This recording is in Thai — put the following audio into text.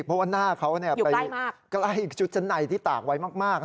เพราะว่าหน้าเขาไปใกล้ชุดชั้นในที่ตากไว้มาก